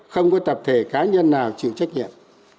không có tập thể cá nhân nào chịu trách nhiệm